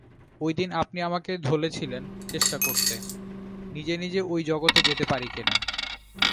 ঐদিন আপনি আমাকে ধলেছিলেন চেষ্টা করতে, নিজে-নিজে ঐ জগতে যেতে পারি কি না।